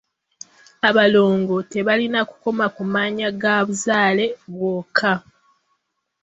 Abalongo tebalina kukoma ku mannya ga buzaale bwokka.